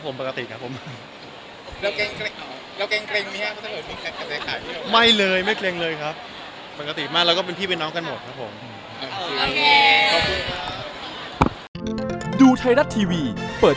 ก็ปกติครับก็คุยกันได้ครับผมไม่มีอะไรครับผมปกติครับผม